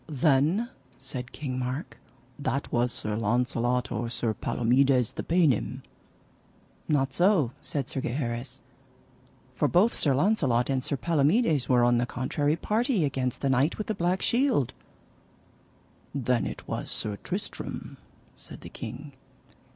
Then, said King Mark, that was Sir Launcelot, or Sir Palomides the paynim. Not so, said Sir Gheris, for both Sir Launcelot and Sir Palomides were on the contrary party against the Knight with the Black Shield. Then was it Sir Tristram, said the king.